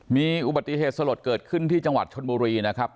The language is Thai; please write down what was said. มีอุบัติเหตุสลดเกิดขึ้นที่จังหวัดชนบุรีนะครับ